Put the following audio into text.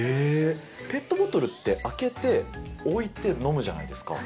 ペットボトルって、開けて、置いて飲むじゃないですか。